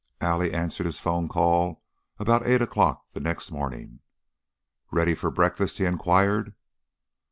Allie answered his phone call about eight o'clock the next morning. "Ready for breakfast?" he inquired.